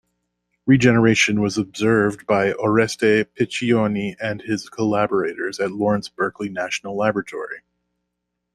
Regeneration was observed by Oreste Piccioni and his collaborators at Lawrence Berkeley National Laboratory.